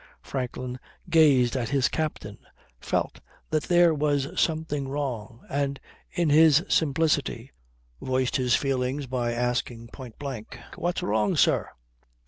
Franklin gazed at his captain, felt that there was something wrong, and in his simplicity voiced his feelings by asking point blank: "What's wrong, sir?"